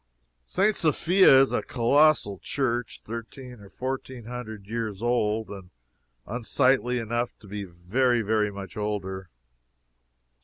St. Sophia is a colossal church, thirteen or fourteen hundred years old, and unsightly enough to be very, very much older.